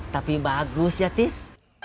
tapi bagus ya tis